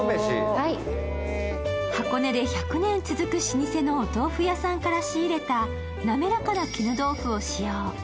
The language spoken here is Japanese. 箱根で１００年続く老舗のお豆腐屋さんから仕入れた滑らかな絹豆腐を使用。